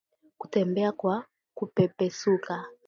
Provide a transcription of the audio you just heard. Kutembea kwa kupepesuka